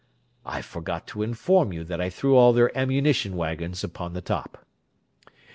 I forgot to inform you that I threw all their ammunition waggons upon the top.